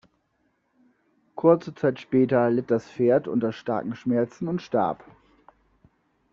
Kurze Zeit später litt das Pferd unter starken Schmerzen und starb.